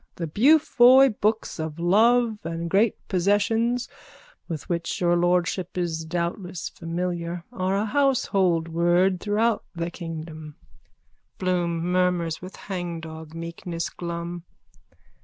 The Beaufoy books of love and great possessions, with which your lordship is doubtless familiar, are a household word throughout the kingdom. BLOOM: _(Murmurs with hangdog meekness glum.)